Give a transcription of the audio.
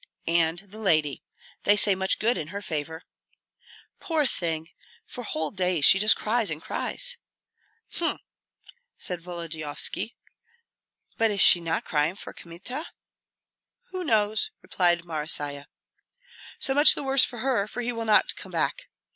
"And the lady. They say much good in her favor." "Poor thing! for whole days she just cries and cries." "H'm!" said Volodyovski; "but is she not crying for Kmita?" "Who knows?" replied Marysia. "So much the worse for her, for he will not come back.